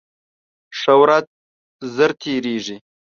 ښه ورځ ژر تېرېږي